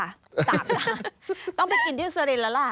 สามจานต้องไปกินที่สุรินทร์แล้วล่ะ